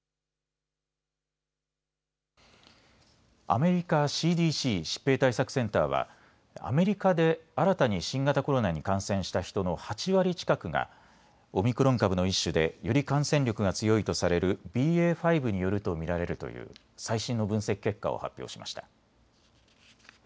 アメリカＣＤＣ・疾病対策センターはアメリカで新たに新型コロナに感染した人の８割近くがオミクロン株の一種でより感染力が強いとされるＢＡ．５によると見られるという最新の分析結果を発表しました。